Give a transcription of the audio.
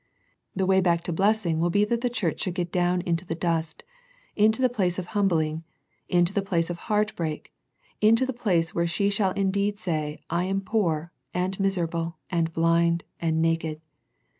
The way back to blessing will be that the church should get down into the dust, into the place of humbling, into the place of heart break, into the place where she shall indeed say I am poor, and miserable, and blind, and naked.